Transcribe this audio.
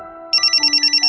seharusnya arrank belom